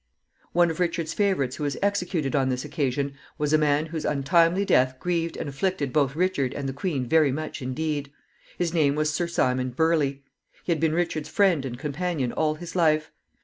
One of Richard's favorites who was executed on this occasion was a man whose untimely death grieved and afflicted both Richard and the queen very much indeed. His name was Sir Simon Burley. He had been Richard's friend and companion all his life.